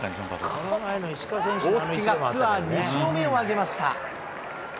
大槻がツアー２勝目を挙げました。